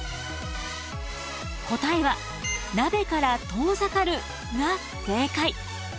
答えは「鍋から遠ざかる」が正解。